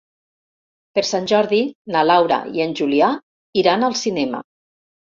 Per Sant Jordi na Laura i en Julià iran al cinema.